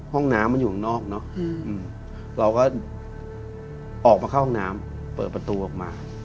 ห้องน้ำมันอยู่ข้างนอกเนอะเราก็ออกมาเข้าห้องน้ำเปิดประตูออกมา